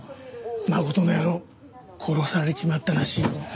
真琴の野郎殺されちまったらしいんだ。